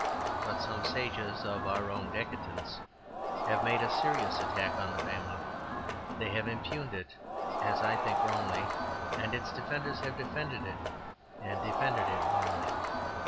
But some sages of our own decadence have made a serious attack on the family. They have impugned it, as I think wrongly; and its defenders have defended it, and defended it wrongly.